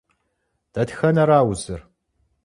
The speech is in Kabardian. Дэтхэнэра узыр?